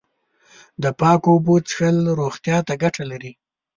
د پاکو اوبو څښل روغتیا ته گټه لري.